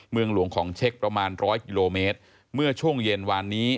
เมืองหลวงของเช็คประมาณร้อยกิโลเมตรเมื่อช่วงเย็นวานนี้